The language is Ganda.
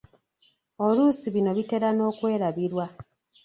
Oluusi bino bitera n’okwerabirwa.